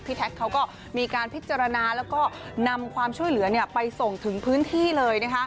แท็กเขาก็มีการพิจารณาแล้วก็นำความช่วยเหลือไปส่งถึงพื้นที่เลย